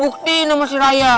buktinu masih raya